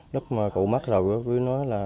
lúc mà cụ mất rồi cứ nói là